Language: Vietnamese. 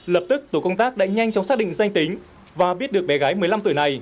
lập tức tổ công tác đã nhanh chóng xác định danh tính và biết được bé gái một mươi năm tuổi này